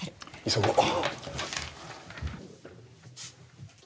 急ごう。